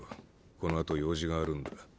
この後用事があるんだ。